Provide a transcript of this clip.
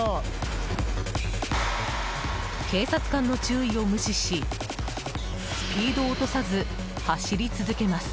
警察官の注意を無視しスピードを落とさず走り続けます。